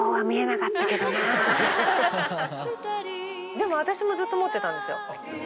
でも私もずっと持ってたんですよ。